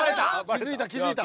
気付いた気付いた。